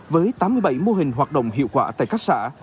với tám mươi bảy mô hình hoạt động hiệu quả tại các xã